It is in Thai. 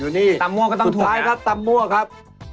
อยู่นี่ตำมัวก็ต้องถูกสุดท้ายครับตำมัวครับ